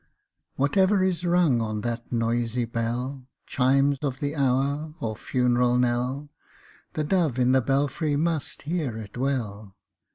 Whatever is rung on that noisy bell — Chime of the hour or funeral knell — The dove in the belfry must hear it well.